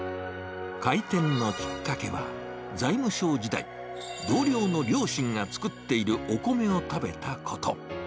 開店のきっかけは、財務省時代、同僚の両親が作っているお米を食べたこと。